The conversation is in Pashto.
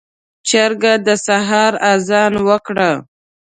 چرګ د سحر اذان وکړ.